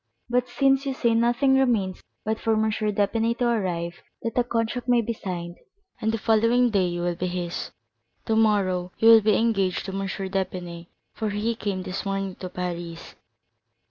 But, since you say nothing remains but for M. d'Épinay to arrive that the contract may be signed, and the following day you will be his, tomorrow you will be engaged to M. d'Épinay, for he came this morning to Paris."